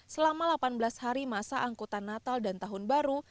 selama delapan belas hari masa angkutan natal dan tahun baru